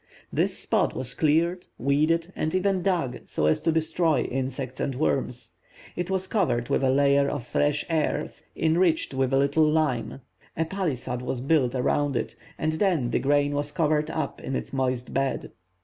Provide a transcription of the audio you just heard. This spot was cleared, weeded, and even dug, so as to destroy insects and worms; it was covered with a layer of fresh earth, enriched with a little lime; a palissade was built around it, and then the grain was covered up in its moist bed.